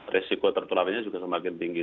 risiko tertularnya juga semakin tinggi